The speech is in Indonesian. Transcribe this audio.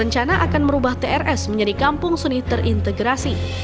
rencana akan merubah trs menjadi kampung seni terintegrasi